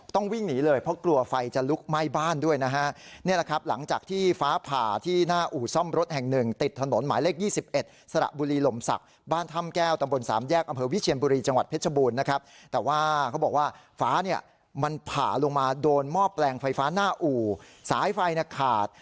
ต้องวิ่งหนีเลยเพราะกลัวไฟจะลุกไหม้บ้านด้วยนะฮะนี่แหละครับหลังจากที่ฟ้าผ่าที่หน้าอู่ซ่อมรถแห่งหนึ่งติดถนนหมายเลข๒๑สระบุรีลมศักดิ์บ้านถ้ำแก้วตำบลสามแยกอำเภอวิเชียนบุรีจังหวัดเพชรบูรณ์นะครับแต่ว่าเขาบอกว่าฟ้าเนี่ยมันผ่าลงมาโดนหม้อแปลงไฟฟ้าหน้าอู่สายไฟเนี่ยขาด